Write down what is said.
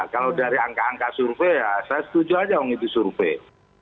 kalau dari angka angka survei ya saya setuju aja untuk itu survei